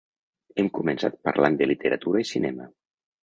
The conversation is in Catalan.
Hem començat parlant de literatura i cinema.